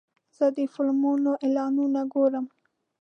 زه د فلمونو اعلانونه ګورم.